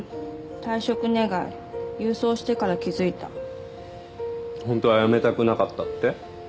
退職願郵送してから気づいた本当は辞めたくなかったって？